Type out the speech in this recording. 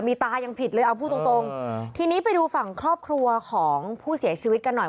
มีตายังผิดเลยเอาพูดตรงตรงทีนี้ไปดูฝั่งครอบครัวของผู้เสียชีวิตกันหน่อย